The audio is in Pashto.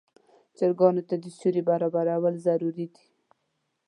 چرګانو ته د سیوري برابرول ضروري دي.